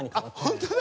本当だ！